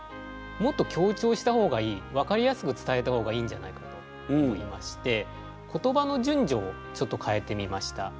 もっと強調した方がいい分かりやすく伝えた方がいいんじゃないかと思いまして言葉の順序をちょっとかえてみました。